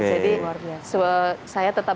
jadi saya tetap